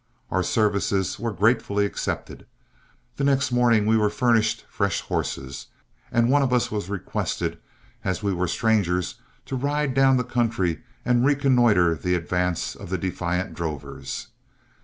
Our services were gratefully accepted. The next morning we were furnished fresh horses, and one of us was requested, as we were strangers, to ride down the country and reconnoitre the advance of the defiant drovers.